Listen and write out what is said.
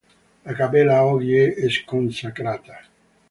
La cappella oggi è sconsacrata.